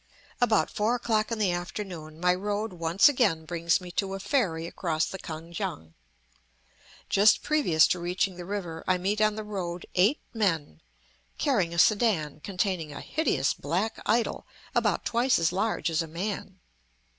About four o'clock in the afternoon my road once again brings me to a ferry across the Kan kiang. Just previous to reaching the river, I meet on the road eight men, carrying a sedan containing a hideous black idol about twice as large as a man.